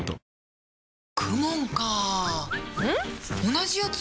同じやつ？